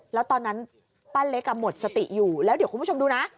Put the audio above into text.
แล้วตอนนั้นป้าเล็กหมดสติอยู่แล้วเดี๋ยวคุณผู้ชมดูนะ